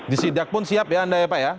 disidak pun siap ya anda ya pak ya